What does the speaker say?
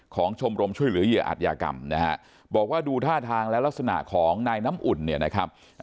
ชมรมช่วยเหลือเหยื่ออาจยากรรมนะฮะบอกว่าดูท่าทางแล้วลักษณะของนายน้ำอุ่นเนี่ยนะครับ